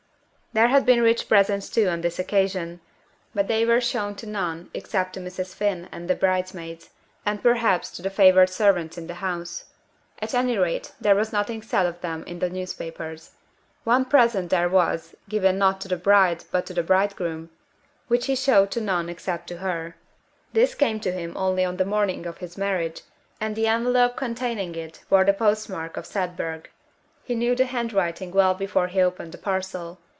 There had been rich presents too on this occasion, but they were shown to none except to Mrs. Finn and the bridesmaids, and perhaps to the favoured servants in the house. At any rate there was nothing said of them in the newspapers. One present there was, given not to the bride but to the bridegroom, which he showed to no one except to her. This came to him only on the morning of his marriage, and the envelope containing it bore the postmark of Sedbergh. He knew the handwriting well before he opened the parcel.